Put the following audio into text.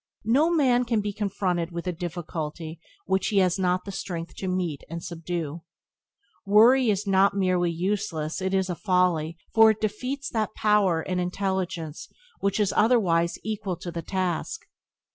No man can be confronted with a difficulty which he has not the strength to meet and subdue. Worry is not merely useless, it is folly, for it defeats that power and intelligence which is otherwise equal to the task.